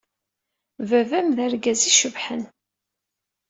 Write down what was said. Baba-m d argaz i icebḥen.